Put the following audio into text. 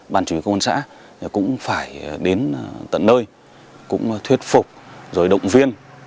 bàn chủ công an xã cũng phải đến tận nơi cũng thuyết phục rồi động viên